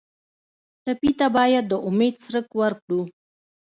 ټپي ته باید د امید څرک ورکړو.